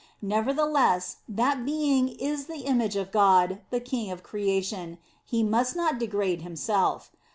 Nevertheless, that being is the image of God, the king of creation; he must not degrade himself.